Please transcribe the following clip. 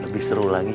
lebih seru lagi